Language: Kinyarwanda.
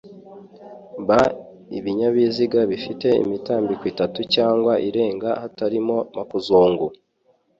B ibinyabiziga bifite imitambiko itatu cyangwa irenga hatarimo makuzungu